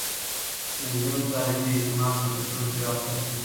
د نجونو تعليم د اعتماد بنسټونه پراخ ساتي.